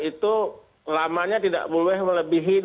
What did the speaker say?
itu lamanya tidak boleh melebihi